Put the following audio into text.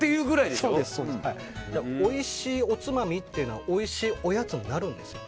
おいしいおつまみというのはおいしいおやつになるんですよ。